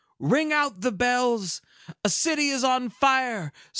Ring out the bells! A city is on fire.